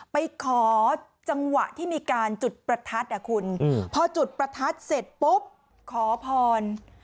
ไปขอจังหวะที่มีการจุดประทัดอ่ะคุณพอจุดประทัดเสร็จปุ๊บขอพร